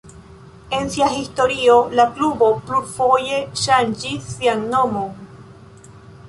En sia historio la klubo plurfoje ŝanĝis sian nomon.